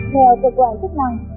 theo cơ quan chất năng